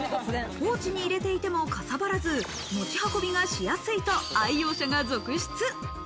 ポーチに入れていてもかさばらず、持ち運びがしやすいと愛用者が続出。